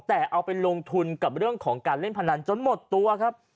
แต่เอาไปลงทุนกับเรื่องของการเล่นพนันจนหมดตัวครับ